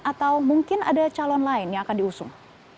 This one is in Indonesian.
atau mungkin ada calon lain yang akan diusung